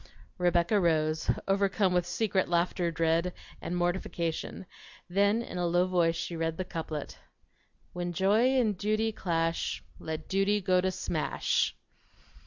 Rebecca rose, overcome with secret laughter dread, and mortification; then in a low voice she read the couplet: When Joy and Duty clash Let Duty go to smash.